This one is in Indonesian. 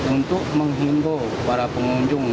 untuk menghimbau para pengunjung